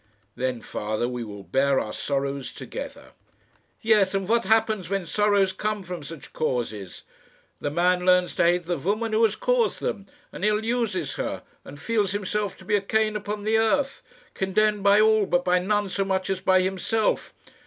"Then, father, we will bear our sorrows together." "Yes; and what happens when sorrows come from such causes? The man learns to hate the woman who has caused them, and ill uses her, and feels himself to be a Cain upon the earth, condemned by all, but by none so much as by himself.